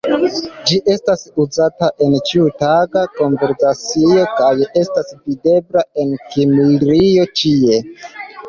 Ĝi estas uzata en ĉiutaga konversacio kaj estas videbla en Kimrio ĉie.